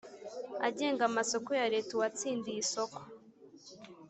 agenga amasoko ya Leta uwatsindiye isoko